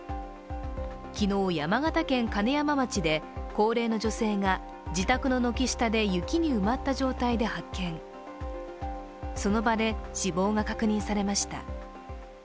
昨日、山形県金山町で高齢の女性が自宅の軒下で雪に埋まった状態で発見、その場で死亡が確認されました。